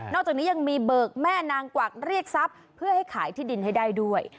จากนี้ยังมีเบิกแม่นางกวักเรียกทรัพย์เพื่อให้ขายที่ดินให้ได้ด้วย